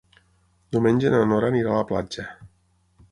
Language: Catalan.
Diumenge na Nora anirà a la platja.